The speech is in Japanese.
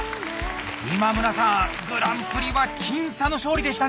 今村さんグランプリは僅差の勝利でしたね！